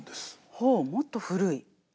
ほうもっと古い。